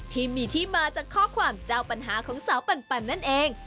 ที่มีที่มาจากข้อความเจ้าปัญหาของสาวปันนั่นเอง